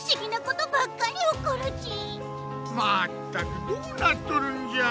まったくどうなっとるんじゃ？